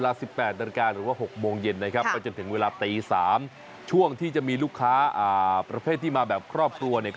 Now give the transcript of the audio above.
ลูกค้าประเภทที่มาครอบครัวเนี่ย